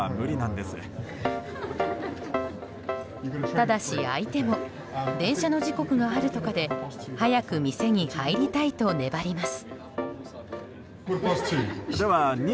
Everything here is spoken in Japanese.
ただし相手も電車の時刻があるとかで早く店に入りたいと粘ります。